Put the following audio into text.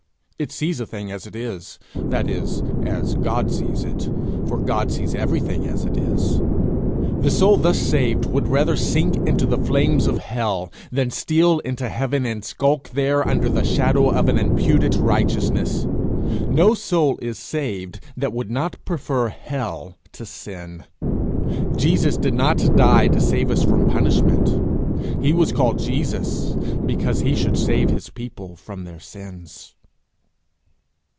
It sees a thing as it is, that is, as God sees it, for God sees everything as it is. The soul thus saved would rather sink into the flames of hell than steal into heaven and skulk there under the shadow of an imputed righteousness. No soul is saved that would not prefer hell to sin. Jesus did not die to save us from punishment; he was called Jesus because he should save his people from their sins.